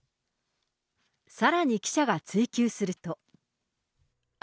さらに記者が追及すると。